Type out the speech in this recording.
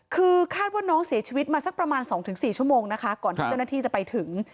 คือคาดว่าน้องเสียชีวิตมาสักประมาณ๒๔ชั่วโมงนะคะก่อนที่เจ้าหน้าที่จะไปถึง